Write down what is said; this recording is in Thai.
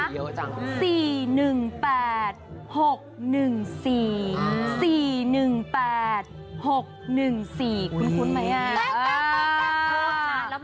คุณคุ้นมั้ยแอ